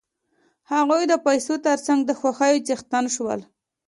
هغوی د پیسو تر څنګ د خوښیو څښتنان شول